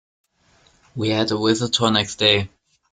We had a visitor next day.